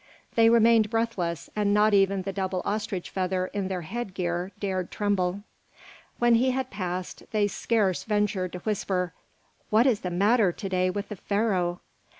They remained breathless, and not even the double ostrich feather in their headgear dared tremble. When he had passed, they scarce ventured to whisper, "What is the matter to day with the Pharaoh?"